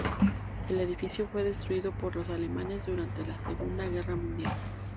El edificio fue destruido por los alemanes durante la Segunda Guerra Mundial.